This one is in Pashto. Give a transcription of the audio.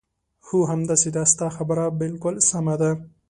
هو، همداسې ده، ستا خبره بالکل سمه ده.